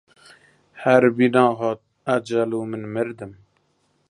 هەر بینا هات ئەجەل و من مردم